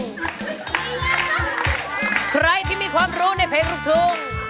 ใครที่มีความรู้ในเพลงลูกทุ่ง